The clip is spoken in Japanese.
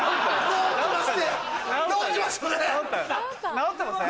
直ってますよね？